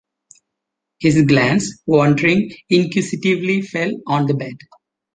His glance, wandering inquisitively, fell on the bed.